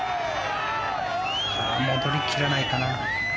戻り切らないかな。